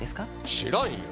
知らんよ！